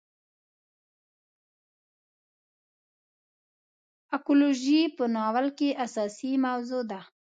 اکولوژي په ناول کې اساسي موضوع ده.